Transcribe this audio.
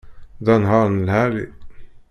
D anehhar n lεali